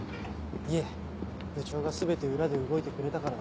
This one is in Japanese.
いえ部長が全て裏で動いてくれたからです。